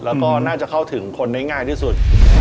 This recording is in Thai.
แล้วก็น่าจะเข้าถึงคนได้ง่ายที่สุด